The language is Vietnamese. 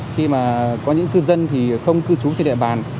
khi mà có những cư dân thì không cư trú trên địa bàn